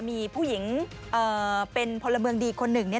มีผู้หญิงเป็นพลเมืองดีคนหนึ่ง